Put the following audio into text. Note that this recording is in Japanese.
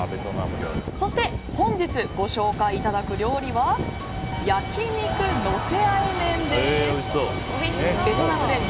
そして、本日ご紹介いただく料理は焼き肉のせあえ